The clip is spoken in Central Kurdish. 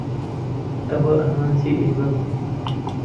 ئەوە ئامانجی ئێمە بوو.